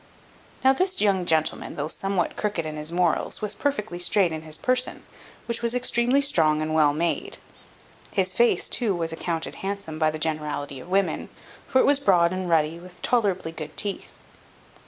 Now this young gentleman, though somewhat crooked in his morals, was perfectly straight in his person, which was extremely strong and well made. His face too was accounted handsome by the generality of women, for it was broad and ruddy, with tolerably good teeth.